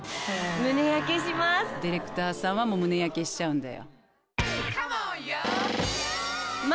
ディレクターさんは胸ヤケしちゃうんだよ。